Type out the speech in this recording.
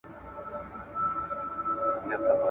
د ښو څخه ښه زېږي د بدو څخه واښه ..